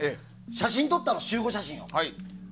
写真撮ったの集合写真を。